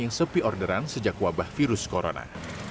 yang sepi orderan sejak wabah virus corona